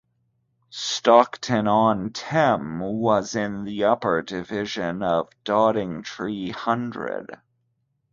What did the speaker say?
Stockton-on-Teme was in the upper division of Doddingtree Hundred.